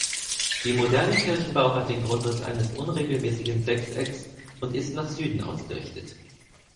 Die moderne Kirchenbau hat den Grundriss eines unregelmäßigen Sechsecks und ist nach Süden ausgerichtet.